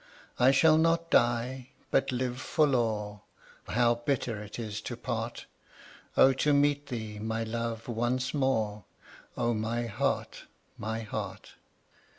I shall not die, but live forlore How bitter it is to part! O to meet thee, my love, once more! O my heart, my heart!